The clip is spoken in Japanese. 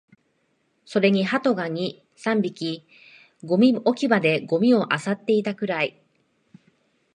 それに鳩が二、三羽、ゴミ置き場でゴミを漁っていたくらい